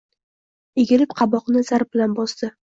Egilib qaboqni zarb bilan bosdi